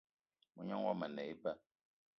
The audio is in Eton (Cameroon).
Mognan yomo a ne eba